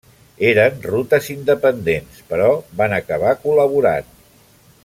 Eren rutes independents, però van acabar col·laborant.